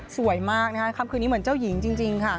สวยมากนะคะคำคืนนี้เหมือนเจ้าหญิงจริงค่ะ